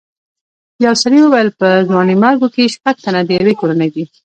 یو سړي وویل په ځوانیمرګو کې شپږ تنه د یوې کورنۍ دي.